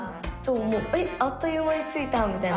「えっあっというまについた」みたいな。